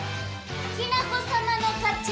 きなこ様の勝ち！